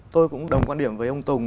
tôi cũng đồng quan điểm với ông tùng